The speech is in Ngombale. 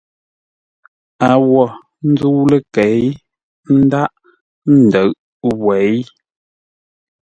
A wô nzə́u ləkei ńdághʼ ńdə̌ʼ wěi.